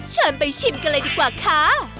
เชิญไปชิมกันเลยดีกว่าค่ะ